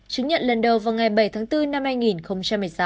chứng nhận lần đầu vào ngày bảy tháng bốn năm hai nghìn một mươi sáu